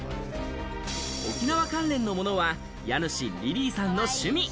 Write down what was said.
沖縄関連のものは家主・Ｌｉｌｙさんの趣味。